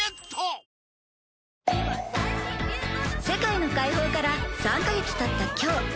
「世界の解放から３カ月経った今日